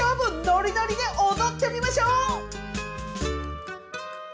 ノリノリで踊ってみましょう！